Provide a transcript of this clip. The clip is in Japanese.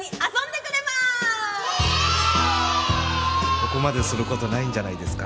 ここまでする事ないんじゃないですか？